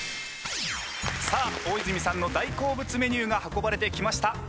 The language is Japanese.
さあ大泉さんの大好物メニューが運ばれてきました。